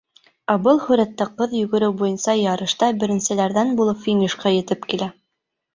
Ә был һүрәттә ҡыҙ йүгереү буйынса ярышта беренселәрҙән булып финишҡа етеп килә.